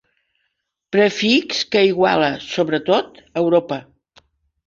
Prefix que iguala, sobretot a Europa.